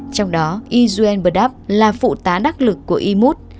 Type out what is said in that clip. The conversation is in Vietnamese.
trong đó y juen burdap là phụ tá đắc lực của imut